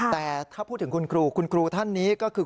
แต่ถ้าพูดถึงคุณครูคุณครูท่านนี้ก็คือ